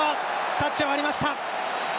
タッチを割りました。